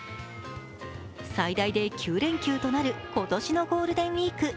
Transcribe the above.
最大で９連休となる今年のゴールデンウイーク。